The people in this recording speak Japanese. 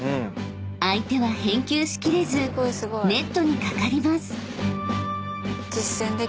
［相手は返球し切れずネットに掛かります］